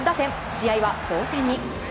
試合は同点に。